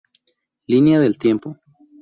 Línea del tiempo